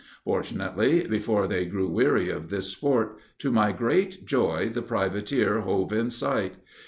Fortunately, before they grew weary of this sport, to my great joy, the privateer hove in sight.